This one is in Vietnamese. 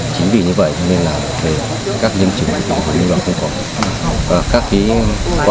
chính vì như vậy nên là các dân chủ của mình cũng không có